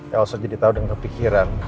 ya langsung jadi tahu dengan kepikiran